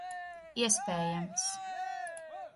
Iespējams.